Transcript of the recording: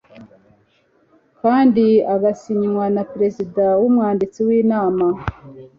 kandi igasinywa na perezida n'umwanditsi w'inama